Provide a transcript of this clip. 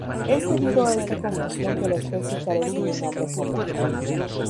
Es debido a esta confusión que la especie carece de un nombre común.